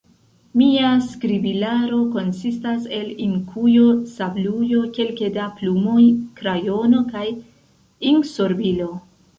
Mia skribilaro konsistas el inkujo, sablujo, kelke da plumoj, krajono kaj inksorbilo.